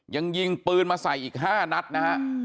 ยังยิงปืนมาใส่อีก๕นัดนะฮะ